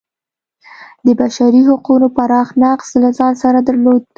د بشري حقونو پراخ نقض له ځان سره درلود.